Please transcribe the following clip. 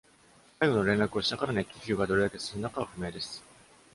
最後の連絡をしたから、熱気球がどれだけ進んだかは不明です。